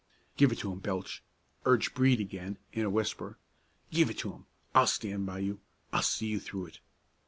"Give it to him, Belch!" urged Brede again, in a whisper; "give it to him! I'll stand by you. I'll see you through it."